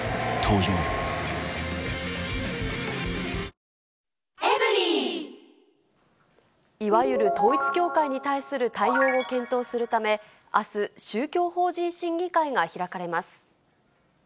味の素の「コンソメ」いわゆる統一教会に対する対応を検討するため、あす、宗教法人審議会が開かれます。